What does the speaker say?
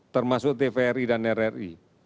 termasuk tvri dan rri